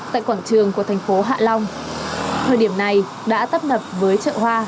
tại quảng trường của thành phố hạ long thời điểm này đã tấp nập với chợ hoa